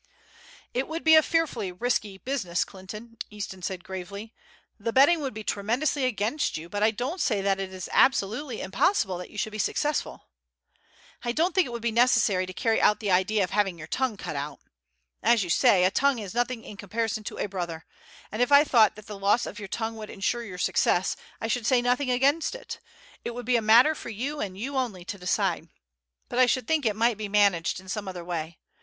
"It would be a fearfully risky business, Clinton," Easton said gravely. "The betting would be tremendously against you, but I don't say that it is absolutely impossible that you should be successful. I don't think it would be necessary to carry out the idea of having your tongue cut out. As you say, a tongue is nothing in comparison to a brother, and if I thought that the loss of your tongue would ensure your success I should say nothing against it, it would be a matter for you and you only to decide; but I should think it might be managed in some other way.